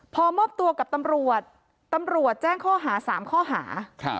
พอมอบตัวกับตำรวจตำรวจแจ้งข้อหา๓ข้อหา